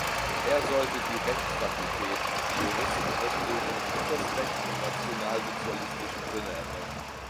Er sollte die Rechtsfakultät, die Juristenausbildung und das Recht im nationalsozialistischen Sinne erneuern.